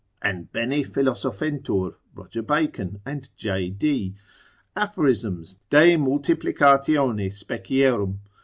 An bene philosophentur, R. Bacon and J. Dee, Aphorism. de multiplicatione specierum?